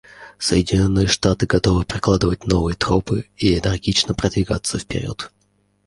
Соединенные Штаты готовы прокладывать новые тропы и энергично продвигаться вперед.